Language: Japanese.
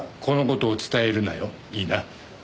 いいな。